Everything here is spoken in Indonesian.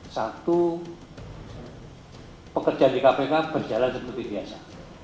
satu pekerjaan di kpk berjalan seperti biasa